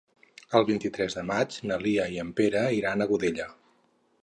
El vint-i-tres de maig na Lia i en Pere iran a Godella.